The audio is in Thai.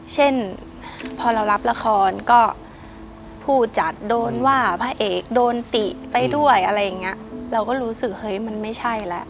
เช่นพอเรารับละครก็ผู้จัดโดนว่าพระเอกโดนติไปด้วยอะไรอย่างเงี้ยเราก็รู้สึกเฮ้ยมันไม่ใช่แล้ว